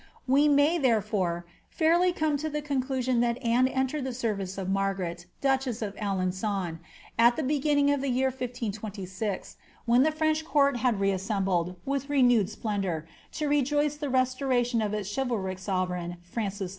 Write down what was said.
H'e o»y, therefore, fairly come to the conclusion that Anne entered the service of Margaret, duchess of Alen^n, at the beginning of the year 1^26, when the French court had re assembled, with renewed splen dour, to rejoice in the restoration of its chivalric sovereign, Francis I.